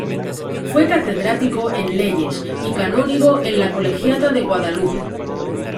Fue catedrático en Leyes y canónigo en la colegiata de Guadalupe.